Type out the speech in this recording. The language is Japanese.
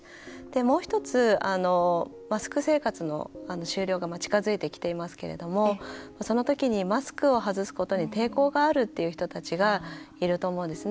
もう１つ、マスク生活の終了が近づいてきていますけれどもその時にマスクを外すことに抵抗があるっていう人たちがいると思うんですね。